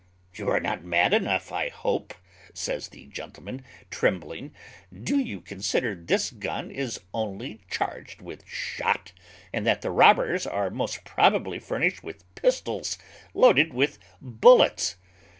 "You are not mad enough, I hope," says the gentleman, trembling: "do you consider this gun is only charged with shot, and that the robbers are most probably furnished with pistols loaded with bullets?